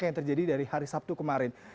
yang terjadi dari hari sabtu kemarin